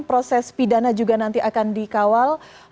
proses pidana juga nanti akan dikawal